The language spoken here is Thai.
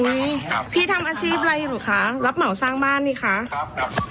อ๋ออุ้ยพี่ทำอาชีพอะไรหรือคะรับเหมาสร้างบ้านนี่ค่ะครับ